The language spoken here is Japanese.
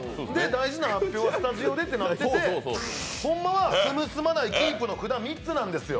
大事な発表はスタジオでってなってて、ほんまは住む、住まない、キープの３つなんですよ。